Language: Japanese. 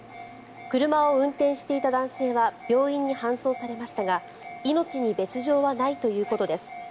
車を運転していた男性は病院に搬送されましたが命に別条はないということです。